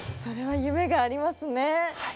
それはゆめがありますね！